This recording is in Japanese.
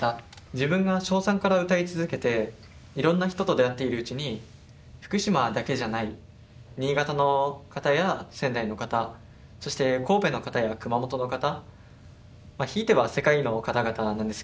自分が小３から歌い続けていろんな人と出会っているうちに福島だけじゃない新潟の方や仙台の方そして神戸の方や熊本の方